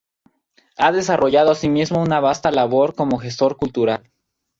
Ha desarrollado asimismo una vasta labor como gestor cultural.